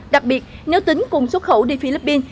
đặc biệt nếu tính cùng xuất khẩu đi philippines